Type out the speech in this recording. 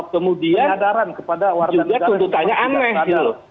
kemudian juga tuntutannya aneh